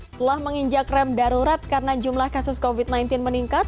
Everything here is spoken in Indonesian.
setelah menginjak rem darurat karena jumlah kasus covid sembilan belas meningkat